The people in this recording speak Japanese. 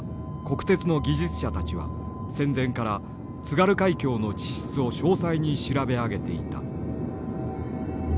国鉄の技術者たちは戦前から津軽海峡の地質を詳細に調べ上げていた。